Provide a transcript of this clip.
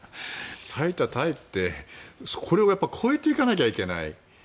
最多タイってこれを超えていかなきゃいけない。